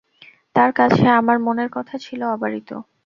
তাঁর কাছে আমার মনের কথা ছিল অবারিত।